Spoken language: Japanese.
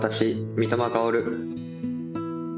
三笘薫。